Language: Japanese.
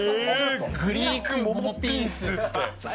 グリークモモピンスって。